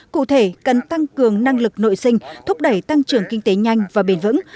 cụ thể cần tăng cường năng lực nội sinh thúc đẩy tăng trưởng kinh tế nhanh và bền vững